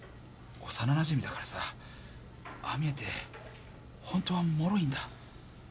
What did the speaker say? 幼なじみだからさああ見えて本当はもろいんだ。